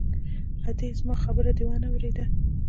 _ادې! زما خبره دې وانه ورېده!